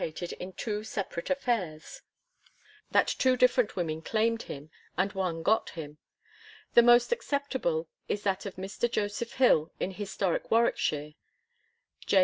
37 SHAKSPERE'S MARRIAGE AND CHILDREN two separate affairs, that two different women claimd him and one got him. The most acceptable is that of Mr. Joseph Hill in Historic Warwickshire (J.